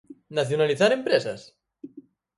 ¿Nacionalizar empresas?